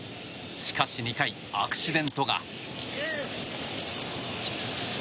しかし２回、アクシデントが。